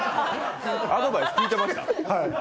アドバイス、聞いてました？